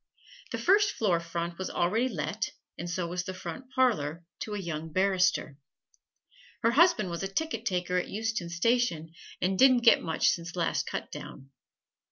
The first floor front was already let, and so was the front parlor to a young barrister. Her husband was a ticket taker at Euston Station, and didn't get much since last cutdown.